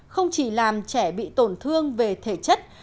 không chỉ làm trẻ bị tổn thương về thể chất